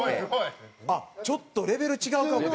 あっちょっとレベル違うかもね。